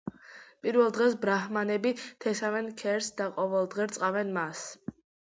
პირველ დღეს ბრაჰმანები თესავენ ქერს და ყოველ დღე რწყავენ მას.